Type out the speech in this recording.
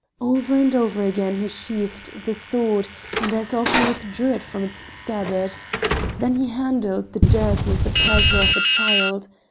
Over and over again he sheathed the sword, and as often withdrew it from its scabbard. Then he handled the dirk with the pleasure of a child.